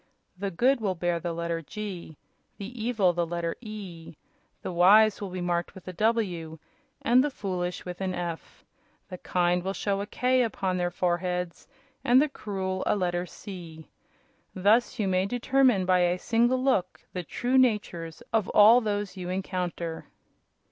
The good will bear the letter 'G,' the evil the letter 'E.' The wise will be marked with a 'W' and the foolish with an 'F.' The kind will show a 'K' upon their foreheads and the cruel a letter 'C.' Thus you may determine by a single look the true natures of all those you encounter."